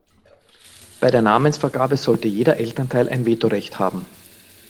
Bei der Namensvergabe sollte jeder Elternteil ein Veto-Recht haben.